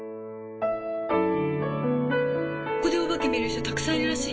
ここでお化け見る人たくさんいるらしいよ。